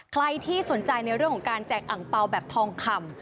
ใครที่สนใจในเรื่องของการแจกอังเปล่าแบบทองคำ